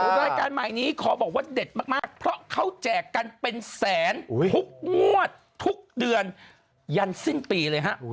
รายการใหม่นี้ขอบอกว่าเด็ดมากเพราะเขาแจกกันเป็นแสนทุกงวดทุกเดือนยันสิ้นปีเลยฮะ